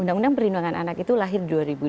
undang undang perlindungan anak itu lahir dua ribu dua